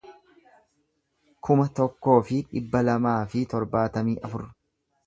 kuma tokkoo fi dhibba lamaa fi torbaatamii afur